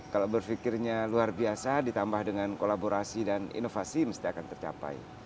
kalau berpikirnya luar biasa ditambah dengan kolaborasi dan inovasi mesti akan tercapai